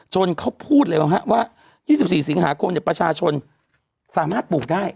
เขาพูดเลยว่า๒๔สิงหาคมประชาชนสามารถปลูกได้